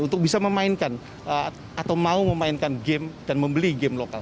untuk bisa memainkan atau mau memainkan game dan membeli game lokal